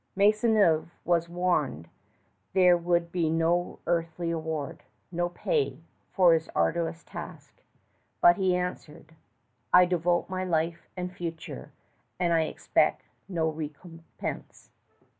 Maisonneuve was warned there would be no earthly reward no pay for his arduous task; but he answered, "I devote my life and future; and I expect no recompense."